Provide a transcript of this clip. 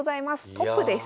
トップです。